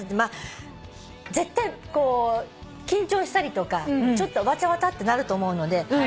絶対こう緊張したりとかちょっとわたわたってなると思うので。